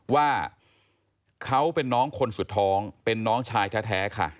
ว่าเขาเป็นน้องคนสุดท้องเป็นน้องชายแท้ค่ะ